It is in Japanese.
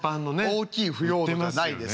大きい腐葉土じゃないです。